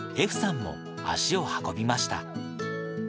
歩さんも足を運びました。